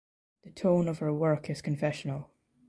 The tone of her work is confessional.